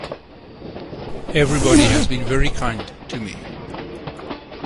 Everybody has been very kind to me.